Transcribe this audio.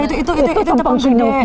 itu tumpang gede